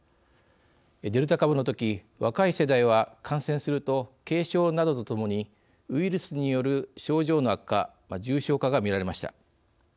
デルタ株のとき、若い世代は感染すると軽症などとともにウイルスによる症状の悪化重症化が見られました。